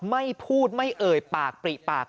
ไม่พูดไม่เอ่ยปากปริปาก